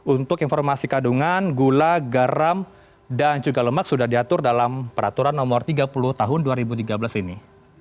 untuk informasi kandungan gula garam dan juga lemak sudah diatur dalam peraturan nomor tiga puluh tahun dua ribu tiga belas ini